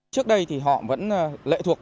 trước đây thì họ vẫn lệ thuộc